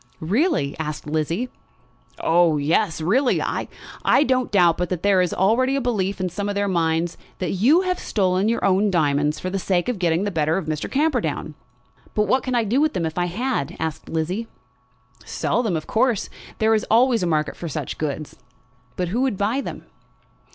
"Really?" asked Lizzie. "Oh, yes; really. I don't doubt but that there is already a belief in some of their minds that you have stolen your own diamonds for the sake of getting the better of Mr. Camperdown." "But what could I do with them if I had?" asked Lizzie. "Sell them, of course. There is always a market for such goods." "But who would buy them?"